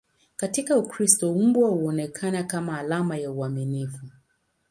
Katika Ukristo, mbwa huonekana kama alama ya uaminifu.